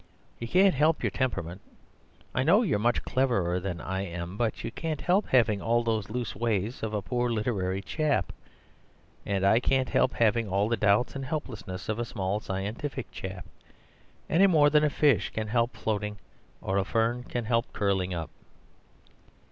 You can't help your temperament. I know you're much cleverer than I am; but you can't help having all the loose ways of a poor literary chap, and I can't help having all the doubts and helplessness of a small scientific chap, any more than a fish can help floating or a fern can help curling up.